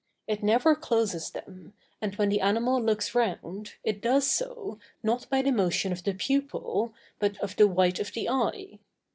It never closes them, and when the animal looks round, it does so, not by the motion of the pupil, but of the white of the eye.